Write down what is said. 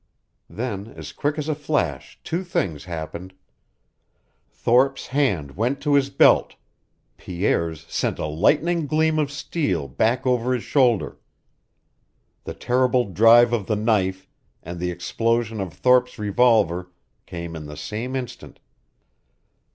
Then, as quick as a flash, two things happened. Thorpe's hand went to his belt, Pierre's sent a lightning gleam of steel back over his shoulder. The terrible drive of the knife and the explosion of Thorpe's revolver came in the same instant.